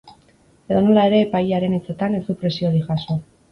Edonola ere, epailearen hitzetan, ez du presiorik jaso.